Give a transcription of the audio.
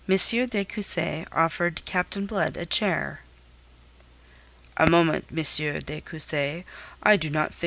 de Cussy offered Captain Blood a chair. "A moment, M. de Cussy. I do not think M.